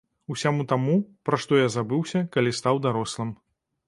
Усяму таму, пра што я забыўся, калі стаў дарослым.